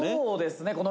「そうですね。